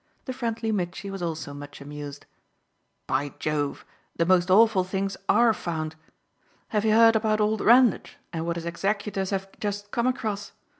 The friendly Mitchy was also much amused. "By Jove, the most awful things ARE found! Have you heard about old Randage and what his executors have just come across?